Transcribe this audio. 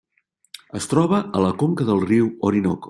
Es troba a la conca del riu Orinoco.